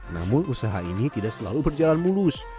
namun usaha ini tidak selalu berjalan mulus